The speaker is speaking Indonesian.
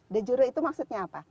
de jure itu maksudnya apa